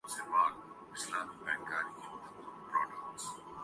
آج بھی دیوی دیوتاؤں کے نام کے بت بنا ئے جاتے ہیں